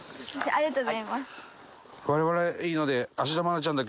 ありがとうございます。